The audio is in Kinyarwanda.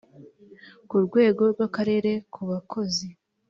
ku rwego rw akarere ku bakozi